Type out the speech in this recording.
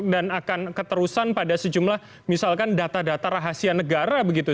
dan akan keterusan pada sejumlah misalkan data data rahasia negara begitu